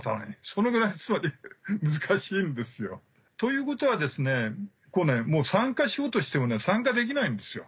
そのぐらいつまり難しいんですよ。ということは参加しようとしても参加できないんですよ。